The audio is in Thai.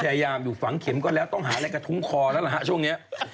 พยายามอยู่ฝังเข็มก็แล้วต้องหาอะไรกระทุ้งคอแล้วล่ะฮะช่วงนี้